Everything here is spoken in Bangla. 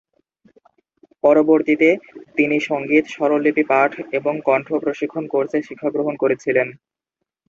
পরবর্তীতে তিনি সঙ্গীত-স্বরলিপি পাঠ এবং কণ্ঠ প্রশিক্ষণ কোর্সে শিক্ষাগ্রহণ করেছিলেন।